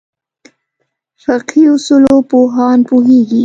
فقهې اصولو پوهان پوهېږي.